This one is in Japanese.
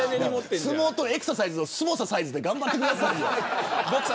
相撲とエクササイズのスモササイズで頑張ってくださいよ。